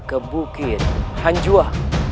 ke bukit hanjua